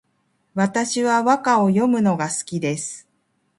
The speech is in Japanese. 私は和歌を詠むのが好きです